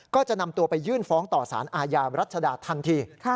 ก็จะนำตัวไปยื่นฟ้องต่อสารอาญารัชดาทันที